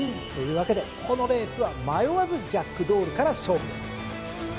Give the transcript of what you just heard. というわけでこのレースは迷わずジャックドールから勝負です。